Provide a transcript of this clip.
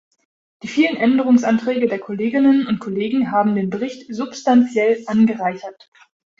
Die vielen Änderungsanträge der Kolleginnen und Kollegen haben den Bericht substantiell angereichert.